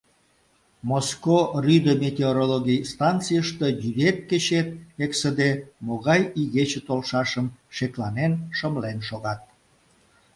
Моско Рӱдӧ метеорологий станцийыште йӱдет-кечет эксыде могай игече толшашым шекланен, шымлен шогат.